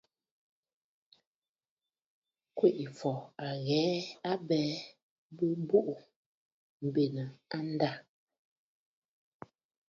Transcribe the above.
Kwèʼefɔ̀ à ghɛ̀ɛ a abɛɛ bɨ̀bùʼù benə̀ a ndâ.